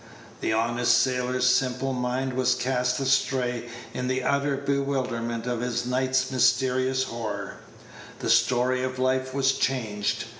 The honest sailor's simple mind was cast astray in the utter bewilderment of this night's mysterious horror. The story of life was changed.